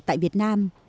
tại việt nam